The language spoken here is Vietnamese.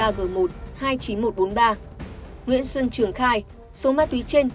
nguyễn xuân trường khai số ma túy trên